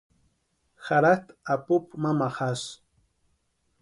Jaratʼi apupu mamajasï.